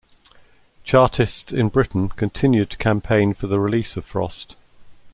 Chartists in Britain continued to campaign for the release of Frost.